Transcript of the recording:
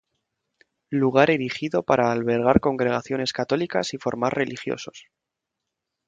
Lugar erigido para albergar congregaciones católicas y formar religiosos.